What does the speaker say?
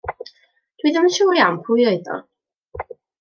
Dw i ddim yn siŵr iawn pwy oedd o.